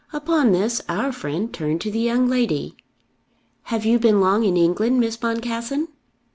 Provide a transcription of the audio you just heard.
Upon this our friend turned to the young lady. "Have you been long in England, Miss Boncassen?"